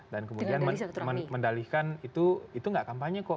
dan kemudian mendalikan itu itu enggak kampanye kok